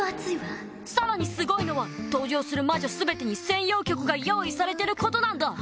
さらにすごいのは登場する魔女すべてに専用曲が用意されてることなんだ！